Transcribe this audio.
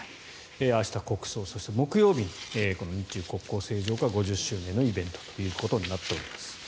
明日、国葬そして木曜日日中国交正常化５０周年のイベントとなっております。